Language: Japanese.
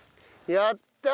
やった！